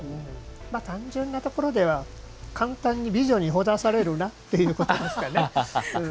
まあ単純なところでは簡単に美女にほだされるなということですかね。